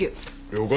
了解。